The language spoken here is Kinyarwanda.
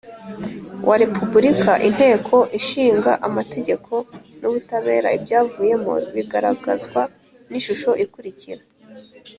wa Repubulika Inteko ishinga amategeko n Ubutabera Ibyavuyemo bigaragazwa n ishusho ikurikira